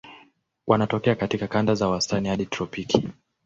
Wanatokea katika kanda za wastani hadi tropiki.